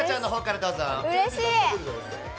うれしい。